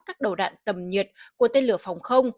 các đầu đạn tầm nhiệt của tên lửa phòng không